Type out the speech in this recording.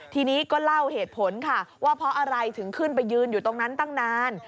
ทีนี้ก็เล่าเหตุผลค่ะว่าเพราะอะไรถึงขึ้นไปยืนอยู่ตรงนั้นตั้งนาน